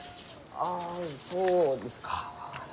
あそうですか。